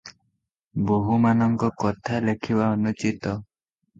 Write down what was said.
ବୋହୂମାନଙ୍କ କଥା ଲେଖିବା ଅନୁଚିତ ।